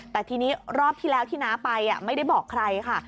แต่ทีนี้รอบที่แล้วที่น้าไปไม่ได้บอกใครค่ะ